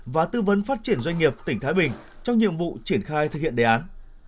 và tư vấn phát triển doanh nghiệp tỉnh thái bình trong nhiệm vụ triển khai thực hiện đề án